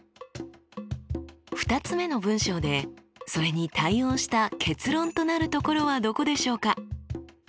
２つ目の文章でそれに対応した結論となるところはどこでしょうか？